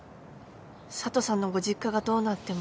佐都さんのご実家がどうなっても。